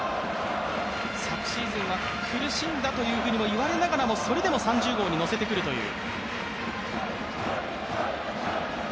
昨シーズンは苦しんだと言われながらもそれでも３０号にのせてくるという。